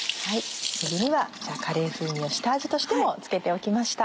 えびにはカレー風味を下味としても付けておきました。